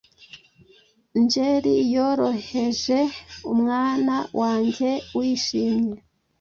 ngeli yoroheje mwana wanjye wishimye!